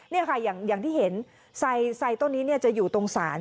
นี่ค่ะอย่างที่เห็นไซต้นนี้จะอยู่ตรงศาล